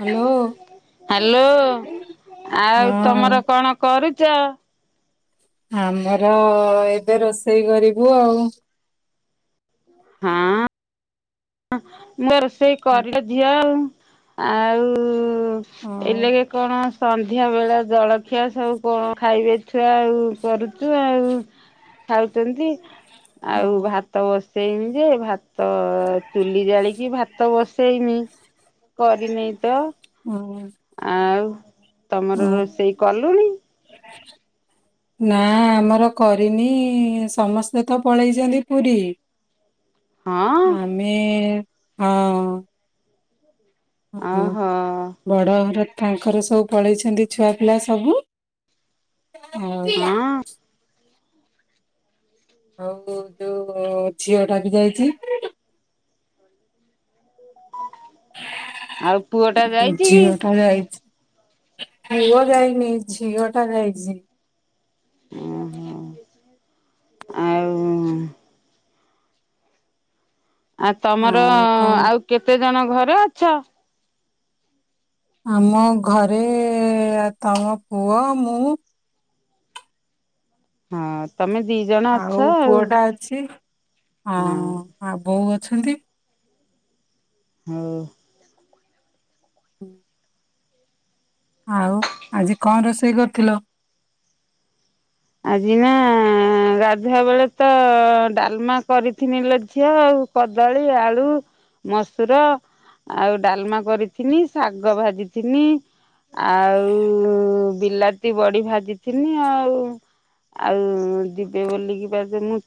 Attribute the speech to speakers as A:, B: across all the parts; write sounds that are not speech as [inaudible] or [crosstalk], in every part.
A: Hello
B: hello ଆଉ
A: ହଁ
B: ତମର କଣ କରୁ ଚ।
A: ଆମର ଏବେ ରୋଷ ରୋଷେଇ କରିବୁ ଆଉ।
B: ହଁ। [unintelligible] ରୋଷେଇ କରିଲେ ଝିଅ ଆଉ। ଆଉ।
A: ହଁ
B: ଏ ଲାଗେ କଣ। ସନ୍ଧ୍ୟା ବେଳେ ଜଳଖିଆ ସବୁ କଣ ଖାଇବେ ଛୁଆ ଆଉ। କରୁଚୁ ଆଉ। ଖାଉଛନ୍ତି। ଆଉ
A: ହଁ
B: ଭାତ ବସି ସେଇନି ଯେ ଭାତ। ଚୁଲି ଜାଳିକି ଭାତ ବସେଇନି। କରିନି ତ
A: ହଁ
B: ଆଉ। ତମର
A: ହଁ।
B: ରୋଷେଇ କଲୁଣି।
A: ନା ଆମର କରିନି ସମସ୍ତେ ତ ପଳେଇଚନ୍ତି ପୁରୀ।
B: ହଁ
A: ଆମେ। ହଁ। ହଁ
B: ଓହୋ
A: ବଡ଼ ଘର। ତାଙ୍କର ସବୁ ପଳେଇଛନ୍ତି ଛୁଆ ପିଲା ସବୁ। ଓ।
B: ହଁ
A: ଆଉ ଯୋଉ ଝିଅ ଟା ବି ଯାଇଚି।
B: ଆଉ ପୁଅ ଟା ଯାଇଚି
A: ଝିଅ
B: କି?
A: ଟା ଯାଇଛି ପୁଅ ଯାଇନି। ଝିଅ ଟା ଯାଇଚି। [inaudible]
B: ଓହୋ [inaudible] ଆଉ ଆ ତମର
A: ଆଉ କଣ
B: ଆଉ କେତେ ଦି ଜଣ ଘରେ ଅଛ।
A: ଆମ ଘରେ ତମ ପୁଅ ମୁଁ
B: ହଁ। ତମେ ଦି ଜଣ ଅଛ
A: ଆଉ ପୁଅଟା ଅଛି, [inaudible] ହଁ ଆଉ ବୋଉ ଅ ଅଛନ୍ତି।
B: ହଉ
A: ହୁଁ, ଆଉ ଆଜି କଣ ରୋଷେଇ କରିଥିଲ?
B: ଆଜି ନା ଗାଧୁଆ ବେଳେ ତ ଡାଲମା କରିଥିନି ଝିଅ ଆଉ କଦଳୀ, ଆଳୁ, ମସୁର, ଆଉ ଡାଲମା କରିଥିନି ଶାଗ ଭାଜିିଥିନି ଆଉ ବିଲାତି ବଡି ଭାଜିିଥିନି ଆଉ ଆଉ ଯିବେ ବୋଲିକି ବା ମୁଁ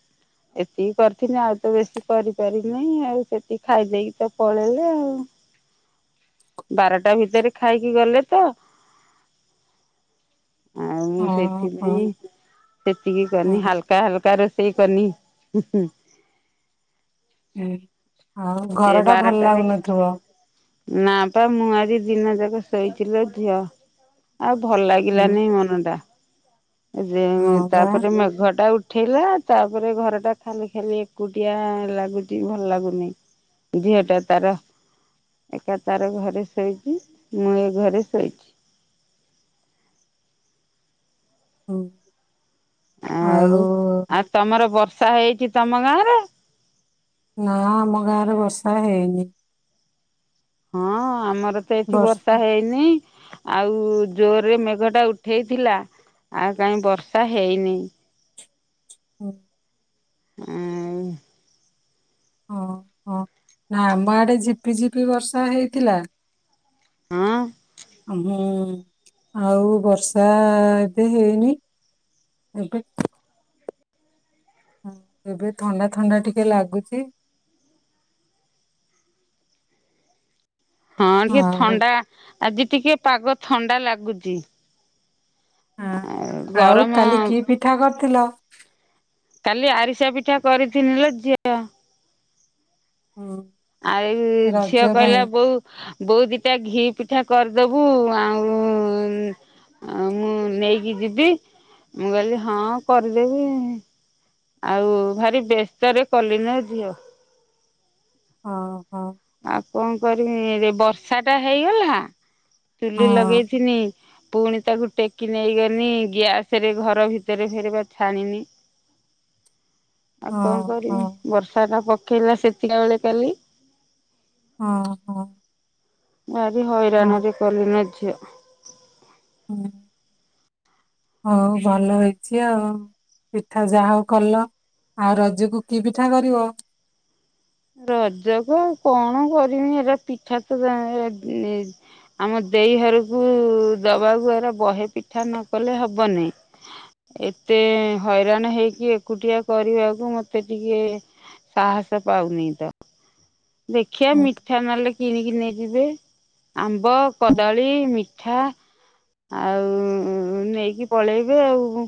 B: ଏତିକି କରିଥିନି ଆଉ ତ ବେଶୀ କରିପାରିନିଁ, ଆଉ ସେତିକି ଖାଇଦେଇକି ତ ପଳେଇଲେ, ଆଉ ବାରଟା ଭିତରେ ଖାଇକି ଗଲେ ତ [inaudible] ମୁଁ
A: ହଁ
B: ସେଥିପାଇଁ
A: ହଁ।
B: [inaudible] ସେତିକି କରିନି ହାଲକା ହଲକା ରୋଷେଇ କରନି ହୁଁହୁଁ [inaudible]
A: ହୁଁ ଆଉ ଘରଟା ଭଲ
B: ବାରଟାରେ
A: ଲାଗୁନଥିବ।
B: ନା ପା ମୁଁ ଆଜି ଦିନ ଯାକ ଶୋଇଥିଲିଲୋ ଝିଅ। ଆଉ ଭଲ
A: ହୁଁ
B: ଲାଗିଲାନି ମନଟା ଯେ
A: ହଁ ବା
B: ତାପରେ ମେଘଟା ଉଠ ଉଠେଇଲା ତାପରେ ଘରଟା ଖାଲି ଖାଲି ଏକୁଟିଆ ଲାଗୁଚି ଭଲ ଲାଗୁନି। ଝିଅଟା ତାର ଏକା ତାର ଘରେ ଶୋଇଛି, ମୁଁ ଏ ଘରେ ଶୋଇଛି। [inaudible]
A: ହଉ।
B: ଆଉ ଆଉ ତମର ବର୍ଷ ର୍ଷା ହେଇଛିି ତମ ଗାଁରେ? [inaudible]
A: ନା ଆମ ଗାଁରେ ବର୍ଷା ହେଇନି।
B: ହଁ ଆମର ତ ଏଠି ବର୍ଷା ହେଇନି ଆଉ ଜୋରରେ ମେଘଟା ଉଠେଇଥିଲା, ଆଉ କାହିଁ ବର୍ଷା ହେଇନି।
A: ହଁ
B: ଆଉ
A: ହଁ ହଁ ନା ଆମ ଆଡେ ଝିପି ଝିପି ବର୍ଷା ହେଇଥିଲା।
B: ହଁ।
A: ହଁ ଆଉ ବର୍ଷା ଏବେ ହେଇନି [inaudible] ଏବେ ହଁ ଏବେ ଥଣ୍ଡା ଥଣ୍ଡା ଟିକେ ଲାଗୁଚି। [inaudible]
B: ହଁ ଟିକେ
A: ଆଉ
B: ଥଣ୍ଡା ଆଜି ଟିକେ ପାଗ ଥଣ୍ଡା ଲାଗୁଚି।
A: ହ ଆଉ କାଲି କି ପିଠା ଥିଲ।
B: କାଲି ଆରିସା ପିଠା କରିିଥିଲିଲୋ ଝିଅ।
A: ହୁଁ,
B: ଆଉ ଏଇ ଝିଅ
A: ରଜ ପାଇଁ
B: କହିଲା ବୋଉ ବୋଉ ଦିଟା ଘି ପିଠା କରିଦବୁ ଆଉ ଆଁଉ ଆଁଉ ମୁଁ ନେଇକି ଯିବି, ମୁଁ କହିଲି ହଁ କରିଦେବି ଆଉ ଭାରି ବ୍ୟସ୍ତରେ କଲିଲୋ ଝିଅ।
A: ହଁ ହଁ
B: ଆଉ କଣ କରିମି ରେ ବର୍ଷା ଟା ହେଇଗଲା।
A: ହଁ
B: ଚୁଲି ଲଗେଇ ଥିନି। ପୁଣି ତାକୁ ଟେକି ନେଇଗନି ଗ୍ୟାସ ରେ ଘର ଭିତରେ ଫେରେ ବା ଛାଣିନି। ଆଉ
A: ହଁ
B: କଣ
A: ହଁ
B: କରିବି ବର୍ଷା ଟା ପ କେଇଲା ସେତିକିବେଳେ କାଲି
A: ହଁ ହଁ
B: ଭାରି
A: ହଁ
B: ହଇରାଣ ରେ କଲିନ ଝ ଝିଅ
A: ହୁଁ ହଉ ଭଲ ହେଇଚି ଆଉ ପିଠା ଯାହା ହଉ କଲ ଆଉ ରଜକୁ କି ପିଠା କରିବ?
B: ରଜକୁ କଣ କରିମି ଏରା ପିଠା ତ ଆମ ଦେଇ ହରକୁ ଦବାକୁ ଏରା ବହେ ପିଠା ନକଲେ ହବନି ଏତେ ହଇରାଣ ହେଇକି ଏକୁଟିଆ କରିବାକୁ ମତେ ଟିକେ ସାହସ ପାଉନି ତ ଦେଖିବା
A: ହୁଁ,
B: ମିଠା ନହଲେ କିଣି କି ନେଇଯିବେ ଆମ୍ ବ
A: ହୁଁ,
B: କଦାଳୀ ମି ପିଠା ଆଉ ନେଇକି ପଳେଇବେ ଆଉ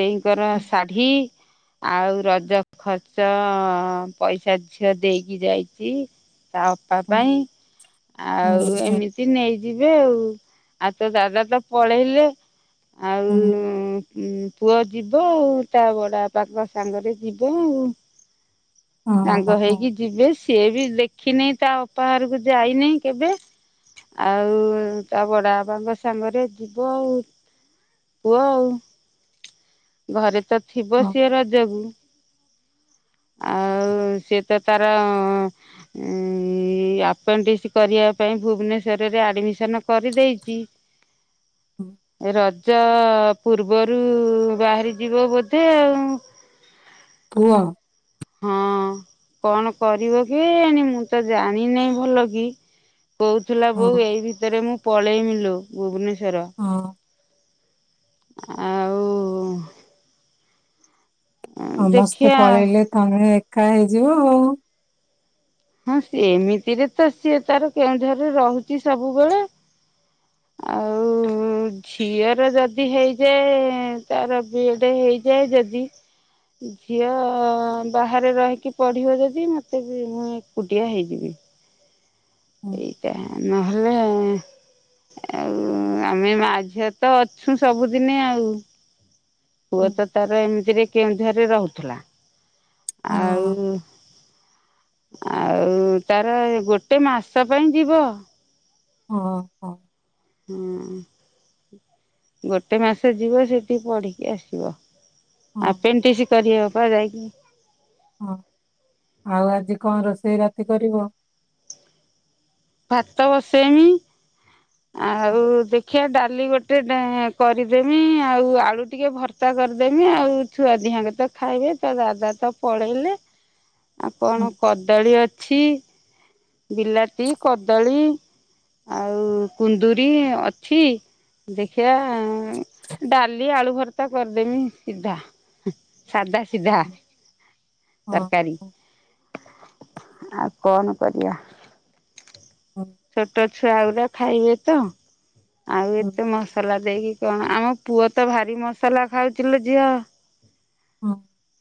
B: ଦେଇଙ୍କର
A: ହୁଁ,
B: ଶାଢ଼ୀ ଆଉ ରଜ ଖର୍ଚ୍ଚ ପଇସା ଝିଅ ଦେଇକି ଯାଇଚି ତା ଅପା
A: ହୁଁ,
B: ପାଇଁ
A: ହୁଁ,
B: ଆଉ
A: ହୁଁ,
B: ଏମିତି ନେଇଯିବେ ଆଉ ଆଉ ତୋ ଦାଦା ତ ପଳେଇଲେ ଆଉ
A: ହୁଁ
B: ପୁଅ ଯିବ ଆଉ ତା ବଡବାପାଙ୍କ ସାଙ୍ଗରେ ଯିବୁ।
A: ହଁ,
B: ସାଙ୍ଗ
A: ହଁ,
B: ହେଇକି ଯିବେ । ସିଏ ବି ଦେଖିନି ତା ଅପାହରକୁ ଯାଇନି କେବେ ଆଉ ତା ବଡବାପାଙ୍କ ସାଙ୍ଗରେ ଯିବ ଆଉ ପୁଅ ଆଉ ଘରେ ତ ଥିବ
A: ହଁ,
B: ସିଏ ରଜକୁ ଆଉ ସେ ତ ତାର ଉଁ ଏଇ ଆପେଣ୍ଡିସି କରିବା ପାଇଁ ଭୁବନେଶ୍ଵରରେ ଆଡମିସନ କରିଦେଇଚି।
A: ହଁ।
B: ର ଜ ପୂର୍ବରୁ ବାହାରି ଯିବ ବୋଧେ ଆଉ
A: କୁହ
B: ହଁ କଣ କରିବ କି ଏଣି ମୁଁ ତ ଜାଣିନାଇଁ ଭଲକି? କହୁଥିଲା
A: ହଁ
B: ବୋଉ ଏଇ ଭିତରେ ମୁଁ ପଳେଇମି ଲୋ। ଭୁବନେଶ୍
A: ହଁ।
B: ଆଉ
A: ସମସ୍ତେ
B: ଦେଖିବା ଆଉ
A: ପଳେଇଲେ ତମେ ଏ ଏକା ହେଇଯିବ ଆଉ।
B: ହଁ ସେ ଏମିତିରେ ତ ସିଏ ତାର କେଉଁଝରେ ରହୁଛି ସବୁବେଳେ। ଆଉ ଝିଅର ଯଦି ହେଇଯାଏ ତାର ବିଏଡ ହେଇଯାଏ ଯଦି ଝିଅ ବାହାରେ ରହିକି ପଢିବ ଯଦି ମତେ ବି ମୁଁ ଏକୁଟିଆ ହେଇଯିବି।
A: ହୁଁ,
B: ଏଇଟା ନହେଲେ ଆଉ ଆମେ ମା ଝିଅ ତ ଅଛୁ ସବୁଦିନେ ଆଉ। ପୁଅ
A: ହୁଁ।
B: ତ ତାର ଏମିତିରେ କେଉଁଝର ରେ ରହୁଥିଲା।
A: ହଁ
B: ଆଉ ଆଉ ତାର ଗୋଟେ ମାସ ପାଇଁ ଯିବ।
A: ଓ ହୋ।
B: ହଁ ଗୋଟେ ମାସ ଯିବ ସେଠିକି ପଢିକି ଆସିବ।
A: ହଁ
B: ଆପେଣ୍ଟିସ କରିିବ ପା ଯାଇକି।
A: ହଁ ଆଉ ଆଜି କଣ ରୋଷେଇ ରାତି କରିବ?
B: ଭାତ ବସେଇମି।
A: ହଁ
B: ଆଉ ଦେଖି ଖିଆ ଡାଲି ଗୋଟେ କରିଦେମି ଆଉ ଆଳୁ ଟିକେ ଭର୍ତ୍ତା କରିଦେମି ଆଉ ଛୁଆ ଦିହାଁକେତ ଖାଇବେ ତ ଦାଦା ତ ପଳେଇଲେ ଆଉ କଣ
A: ହୁଁ
B: କଦଳୀ ଅଛି ବିଲାତି କଦଳୀ ଆଉ କୁନ୍ଦୁରି ଅଛି ଦେଖିବା ଡାଲି ଆଳୁ ଭର୍ତା କରିଦେମି ସିଧା ସାଧା ସିଧା।
A: ହଁ
B: ତରକାରି।
A: ହୁଁ
B: ଆଉ କଣ କରିବା?
A: ହୁଁ
B: ଛୋଟ ଛୁଆ ଗୁଡା ଖାଇବେ ତ। ଆଉ
A: ହୁଁ
B: ଏତେ ମସଲା ଦେଇକି କଣ ଆମ ପୁଅ ତ ଭାରି ମସଲା ଖାଉଚି ଲୋ ଝିଅ।
A: ହୁଁ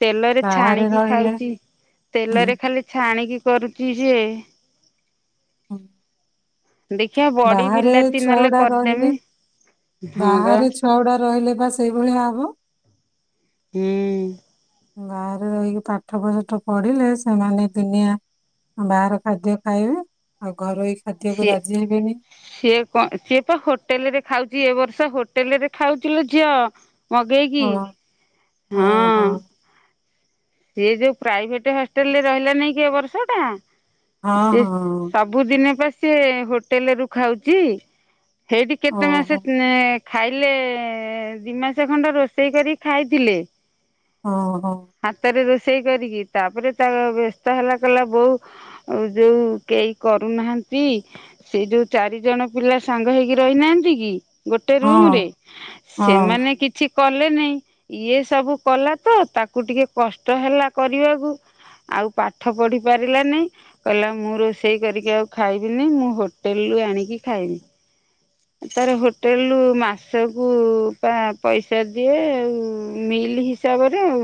B: ତେଲରେ
A: ବାହାରେ
B: ଛାଣିକି
A: ରହିଲେ
B: ଖାଉଛି
A: ହୁଁ
B: ତେଲରେ ଖାଲି ଛାଣିକି କରୁଛି ଯେ
A: ହଁ।
B: ଦେଖିଆ ବଡି
A: ବାହାରେ
B: ବିଲାତି
A: ଛୁଆ
B: ନହେଲେ
A: ଗୁଡା ରହିଲେ
B: କରିଦେମି ହଁ ବା
A: ବାହାରେ ଛୁଆ ଗୁଡା ରହିଲେ ବା ସେଇଭଳିଆ ହବ।
B: ହୁଁ।
A: ବାହାରେ ରହିକି ପାଠ ସାଠ ପଢିଲେ ସେମାନେ ଦୁନିଆ ବାହାର ଖାଦ୍ୟ ଖାଇବେ ଆଉ ଘରୋଇ ଖାଦ୍ୟକୁ
B: ସିଏ
A: ରାଜି ହେବେନି
B: ସିଏ କଣ ସିଏ ପା ହୋଟେଲରେ ଖାଉଛି ଏ ବର୍ଷ ସେ ହୋଟେଲ ରେ ଖାଉଥିଲ ଝିଅ। ମଗେଇକି।
A: ହଁ ହଁ ହଁ।
B: ସିଏ ଯୋଉ ପ୍ରାଇଭେଟ ହଷ୍ଟେଲରେ ରହିଲା ନାଇଁ କି ବର୍ଷ ଟା ସେ
A: ହଁ
B: ସବୁଦିନେ ପା ସେ ହୋଟେଲ ରୁ ଖାଉଛି। ସେଇଠି
A: ହଁ
B: କେତେ ମାସ
A: ଓହୋ
B: ଏ ଖାଇଲେ ଦି ମାସ ଖଣ୍ଡ ରୋଷେଇ କରି ଖାଇଥିଲେ।
A: ହଁ ହଉ।
B: ହାତରେ ରୋଷେଇ କରିକି ତାପରେ ତା ବ୍ୟସ୍ତ ହେଲା କଲା ବୋଉ ଯୋଉ କେହି କରୁନାହାଁନ୍ତି ସେ ଯୋଉ ଚାରିଜଣ ପିଲା ସାଙ୍ଗ ହେଇକି ରହିନାହାଁନ୍ତି କି ଗୋଟେ
A: ହଁ
B: ରୁମରେ
A: ହଁ
B: ସେମାନେ କିଛି କଲେ ନେଇଁ ଇଏ ସବୁ କଲା ତ ତାକୁ ଟିକେ କଷ୍ଟ ହେଲା କରିବାକୁ ଆଉ ପାଠ ପଢି ପାରିଲାନେଇ କହିଲା ମୁଁ ରୋଷେଇ କରିକି ଆଉ ଖାଇବିନି ମୁଁ ହୋଟେଲ ରୁ ଆଣିକି ଖାଇବି। ତାର ହୋଟେଲରୁୁ ମାସକୁ ବା ପଇସା ଦିଏ ଆଉ ମିଲ୍ ହିସାବରେ ଆଉ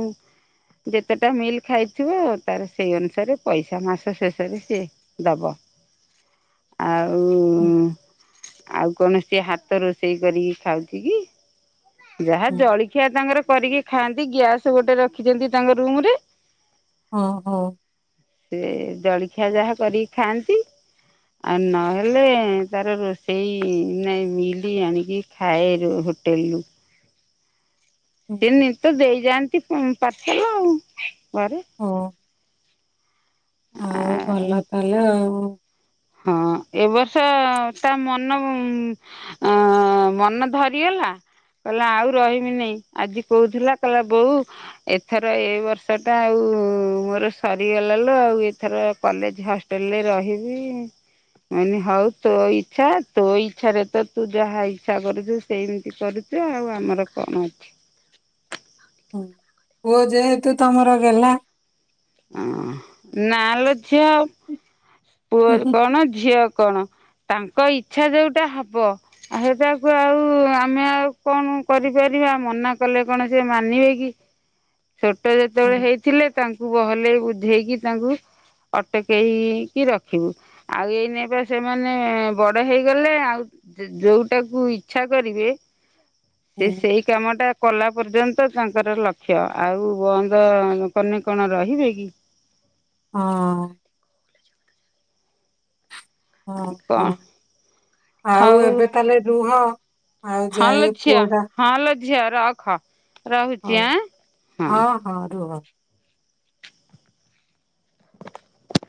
B: ଯେତେଟା ମିଲ୍ ଖାଇଥିବ ତାର ସେଇ ଅନୁସାରେ ପଇସା ମାସ ଶେଷରେ ସିଏ ଦବ ଆଉ
A: ହୁଁ।
B: ଆଉ କୌଣସି ହାତ ରୋଷେଇ କରିକି ଖାଉଛି କି ଯାହା
A: ହୁଁ
B: ଜଳଖିଆ ତାଙ୍କର କରିକି ଖାଆନ୍ତି ଗ୍ୟାସ ଗୋଟେ ରଖିଛନ୍ତି ତାଙ୍କ ରୁମ ରେ
A: ହଁ ହଁ
B: ସେ ଜଳଖିଆ ଯାହା କରିକି ଖାଆନ୍ତି ଆଉ ନହେଲେ ତାର ରୋଷେଇ ସେଇ ନାଇଁ ମିଲି ଆଣିକି ଖାଏ ରୁ ହୋଟେଲରୁୁ।
A: ହୁଁ
B: ସେ ନିଶ୍ଚିନ୍ତ ଦେଇ ଯାଆନ୍ତି ପାର୍ସଲ ଆଉ ଘରେ।
A: ହଉ ଆଉ ଭଲ କଲ ଆଉ। ହଁ।
B: ହଁ ଏ ବର୍ଷ ତା ମନ ମନ ଧରିଗଲା କହିଲା ଆଉ ରହିବିନେଇ ଆଜି କହୁଥିଲା କହିଲା ବୋଉ ଏଥର ଏଇ ବର୍ଷ ଟା ଆଉ ମୋର ସରିଗଲା ଲୋ ଆଉ ଏଥର କଲେଜ ହଷ୍ଟେଲରେ ରହିବି ମୁଁ କହିନି ହଉ ତୋ ଇଚ୍ଛା ତୋ ଇଚ୍ଛାରେ ତ ତୁ ଯାହା ଇଚ୍ଛା କରୁଛୁ ସେମିତି କରୁଛୁ ଆଉ ଆମର କଣ ଅଛି।
A: ହୁଁ ପୁଅ ଯେହେତୁ ତମର ଗଲ୍ଲା।
B: ହଁ ନାଁ ଲୋ ଝିଅ ପୁଅ
A: ହୁଁ ହୁଁ।
B: କଣ ଝିଅ କଣ ତାଙ୍କ ଇଚ୍ଛା ଯୋଉଟା ହବ ସେଟାକୁ ଆଉ ଆମେ ଆଉ କଣ କରିପାରିବା ମନା କଲେ କଣ ସେ ମାନିବେ କି। ଛୋଟ ଯେତେବେଳେ
A: ହୁଁ
B: ହେଇଥିଲେ ତାଙ୍କ ଭଲକି ବୁଝେଇକି ତାଙ୍କୁ ଅଟକେଇ କି ରଖିବୁ ଆଉ ଏଇନେ ବା ସେମାନେ ବଡ ହେଇଗଲେ ଆଉ ଯୋଉଟାକୁ ଇଚ୍ଛା କରିବେ ସେ
A: ହୁଁ
B: ସେଇ କାମ ଟା କଲା ପର୍ଯ୍ୟନ୍ତ ତାଙ୍କର ଲକ୍ଷ୍ୟ ଆଉ ବନ୍ଦ କନେ କଣ ରହିବେ କି।
A: ହଁ। ହଁ ହଁ
B: କଣ
A: ଆଉ
B: ହଉ
A: ଏବେ ତାହେଲେ ରୁହ ଆଉ
B: ହଁ ଲୋ
A: ଯାଏ
B: ଝିଅ
A: ପୁଅଟା
B: ହଁ ଲୋ ଝିଅ ରଖ। ରହୁଛି
A: ହଉ
B: ଆଁ ହଁ।